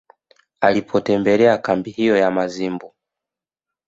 Alipotembelea kambi hiyo ya Mazimbu